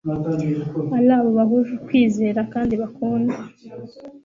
ari abo bahuje ukwizera kandi bakundwa